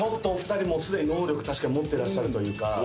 お二人すでに能力確かに持ってらっしゃるというか。